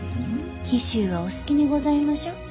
紀州はお好きにございましょう？